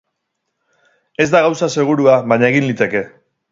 Ez da gauza segurua, baina egin liteke.